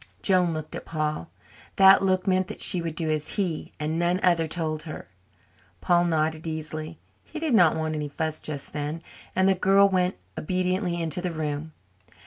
Joan looked at Paul. That look meant that she would do as he, and none other, told her. Paul nodded easily he did not want any fuss just then and the girl went obediently into the room.